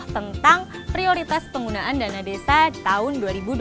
tentang prioritas penggunaan dana desa tahun dua ribu dua puluh